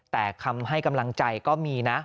แต่คำให้กำลังใจก็มีนะ